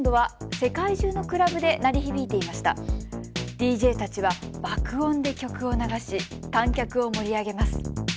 ＤＪたちは爆音で曲を流し観客を盛り上げます。